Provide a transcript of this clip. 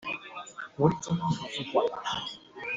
國立中央圖書館